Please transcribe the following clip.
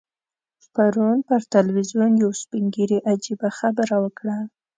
پرون پر ټلویزیون یو سپین ږیري عجیبه خبره وکړه.